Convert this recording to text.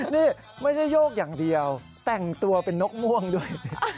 นี่ไม่ใช่โยกอย่างเดียวแต่งตัวเป็นนกม่วงด้วย